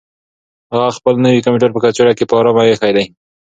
هغه خپل نوی کمپیوټر په کڅوړه کې په ارامه اېښی دی.